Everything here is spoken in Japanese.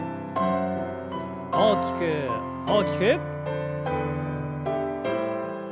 大きく大きく。